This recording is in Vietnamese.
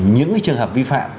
những cái trường hợp vi phạm